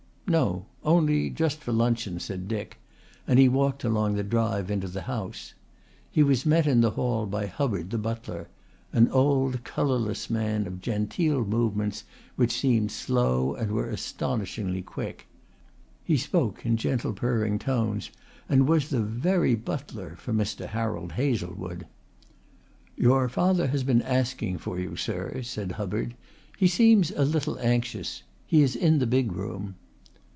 "No. Only just for luncheon," said Dick, and he walked along the drive into the house. He was met in the hall by Hubbard the butler, an old colourless man of genteel movements which seemed slow and were astonishingly quick. He spoke in gentle purring tones and was the very butler for Mr. Harold Hazlewood. "Your father has been asking for you, sir," said Hubbard. "He seems a little anxious. He is in the big room."